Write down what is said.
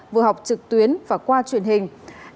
vừa học trực tuyến và qua truyền hình